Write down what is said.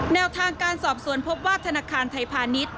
แนวทางการสอบสวนพบว่าธนาคารไทยพาณิชย์